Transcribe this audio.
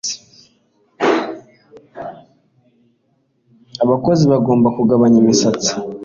Abakozi bagomba kugabanya imisatsi